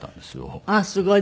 ああすごい。